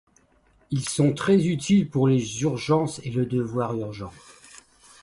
Ils sont très utiles pour les urgences et le devoir urgent.